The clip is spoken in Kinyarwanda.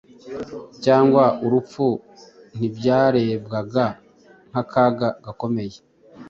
cyangwa urupfu ntibyarebwaga nk’akaga gakomeye